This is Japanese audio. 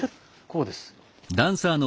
こうです。